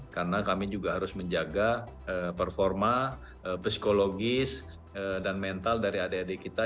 karena kami juga harus menjaga performa psikologis dan mental dari adik adik kita